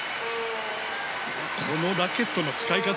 このラケットの使い方。